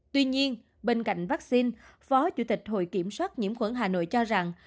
tuy nhiên bên cạnh vaccine phó chủ tịch hội kiểm soát nhiễm khuẩn hà nội cho rằng